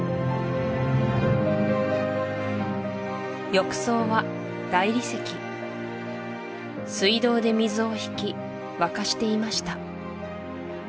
浴槽は大理石水道で水を引き沸かしていました